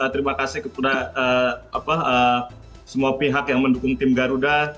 terima kasih kepada semua pihak yang mendukung tim garuda